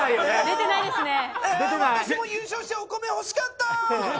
私も優勝してお米欲しかった。